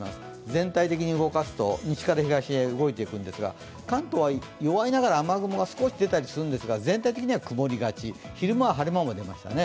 全体的に動かすと、西から東へ動いていくんですが、関東は弱いながら雨雲が少し出たりするんですが全体的には曇りがち昼間には晴れ間もありましたね。